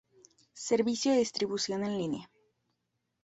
Servicio de distribución en línea.